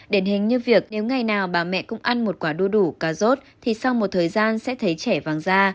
đển hình như việc nếu ngày nào bà mẹ cũng ăn một quả đu đủ cà rốt thì sau một thời gian sẽ thấy trẻ vàng da